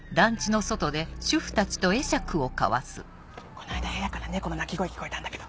この間部屋から猫の鳴き声聞こえたんだけど。